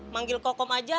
manggil kokom aja